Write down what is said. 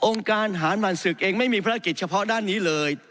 การหารหั่นศึกเองไม่มีภารกิจเฉพาะด้านนี้เลย